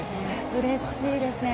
うれしいですね。